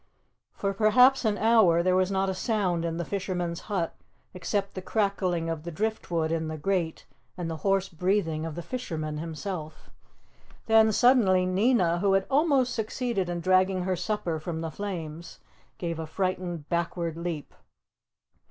For perhaps an hour there was not a sound in the fisherman's hut except the crackling of the drift wood in the grate and the hoarse breathing of the fisherman himself. Then suddenly Nina, who had almost succeeded in dragging her supper from the flames, gave a frightened backward leap.